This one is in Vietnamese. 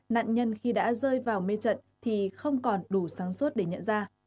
nạn nhân khi đã rơi vào mê trận thì không còn đủ sáng suốt để nhận ra